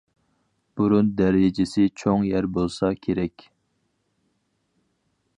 بۇرۇن دەرىجىسى چوڭ يەر بولسا كېرەك.